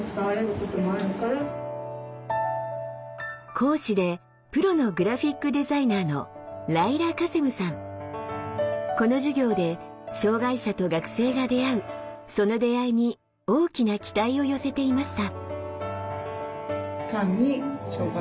講師でプロのグラフィックデザイナーのこの授業で障害者と学生が出会うその出会いに大きな期待を寄せていました。